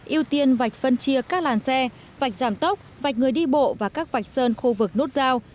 ưu tiên vạch phân chia các làn xe vạch giảm tốc vạch người đi bộ và các vạch sơn khu vực nút giao